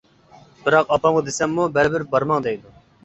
بىراق ئاپامغا دېسەممۇ بەرىبىر بارماڭ دەيدۇ.